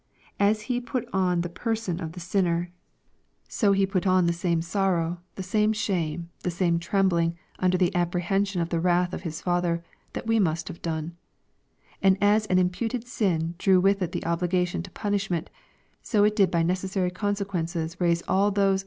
As He put on the person of the finner, so 428 EXPOSITORY THOUGHTS. He put on the same sorrow, the same shame, the same treiiibling under the apprehension of the wrath of His Father, that we must I have done. And as an imputed sin drew with it the obUgation to / punishment, so it did by necessary consequences raise all those